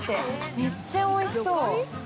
◆めっちゃおいしそう。